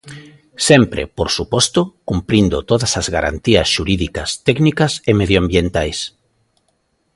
Sempre, por suposto, cumprindo todas as garantías xurídicas, técnicas e medioambientais.